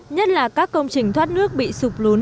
nhất là các công trình thoát nước bị sụt lún